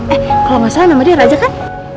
eh kalau nggak salah nama dia raja kan